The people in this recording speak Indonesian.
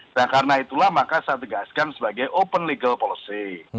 dan karena itulah maka saya tegaskan sebagai open legal policy